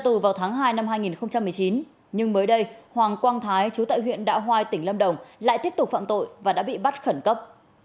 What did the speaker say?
tù vào tháng hai năm hai nghìn một mươi chín nhưng mới đây hoàng quang thái chú tại huyện đạo hoai tỉnh lâm đồng lại tiếp tục phạm tội và đã bị bắt khẩn cấp